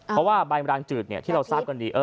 เพราะว่าใบรางจืดที่เราทราบกันดี